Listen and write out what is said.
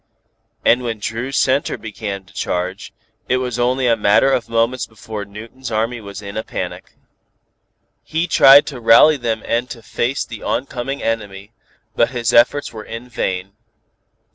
And when Dru's center began to charge, it was only a matter of moments before Newton's army was in a panic. He tried to rally them and to face the on coming enemy, but his efforts were in vain.